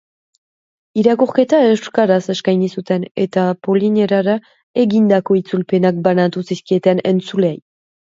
Irakurketa euskaraz eskaini zuten, eta polonierara egindako itzulpenak banatu zizkieten entzuleei.